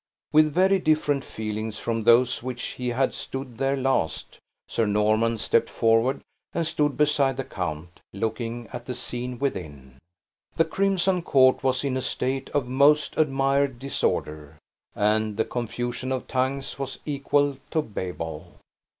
With very different feelings from those with which he had stood there last, Sir Norman stepped forward and stood beside the count, looking at the scene within. The crimson court was in a state of "most admired disorder," and the confusion of tongues was equal to Babel.